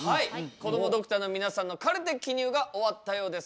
こどもドクターの皆さんのカルテ記入が終わったようです。